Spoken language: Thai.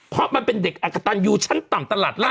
เพราะมันเป็นเด็กอักกตันยูชั้นต่ำตลาดล่า